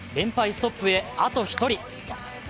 ストップへあと１人。